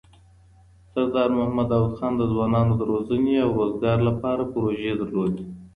سردار محمد داود خان د ځوانانو د روزنې او روزګار لپاره پروژې درلودې.